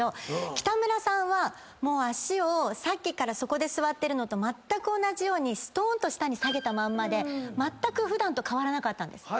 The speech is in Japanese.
北村さんはもう足をさっきからそこで座ってるのとまったく同じようにすとーんと下に下げたまんまで普段と変わらなかったんです。